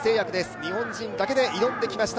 日本人だけで挑んできました。